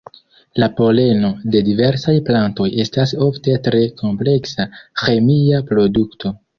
La poleno de diversaj plantoj estas ofte tre kompleksa "ĥemia produkto".